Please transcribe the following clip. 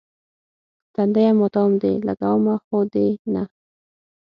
تنديه ماتوم دي، لګومه خو دې نه.